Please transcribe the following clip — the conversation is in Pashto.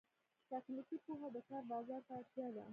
تخنیکي پوهه د کار بازار ته اړتیا ده